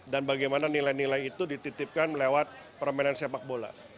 dan bagaimana nilai nilai itu dititipkan melewat permainan sepak bola